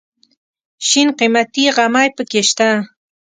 شین قیمتي غمی پکې شته.